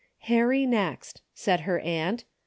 "Harry, next," said her aunt.